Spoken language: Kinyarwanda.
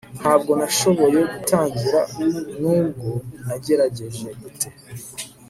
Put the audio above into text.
ntabwo nashoboye gutangira nubwo nagerageje gute